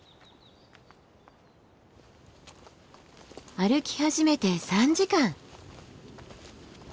歩き始めて３時間。